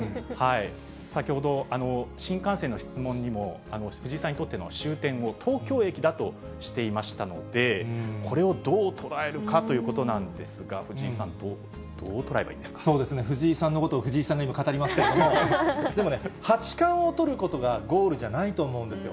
先ほど、新幹線の質問にも、藤井さんにとっての終点を東京駅だとしていましたので、これをどう捉えるかということなんですが、藤井さん、そうですね、藤井さんのことを藤井さんが今、語りますけれども、でもね、八冠を取ることがゴールじゃないと思うんですよ。